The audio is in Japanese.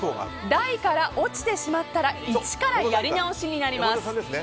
台から落ちてしまったら一からやり直しになりますね。